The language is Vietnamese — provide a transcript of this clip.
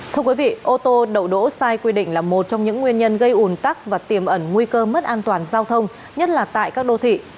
thưa quý vị ô tô đậu đỗ sai quy định là một trong những nguyên nhân gây ủn tắc và tiềm ẩn nguy cơ mất an toàn giao thông nhất là tại các đô thị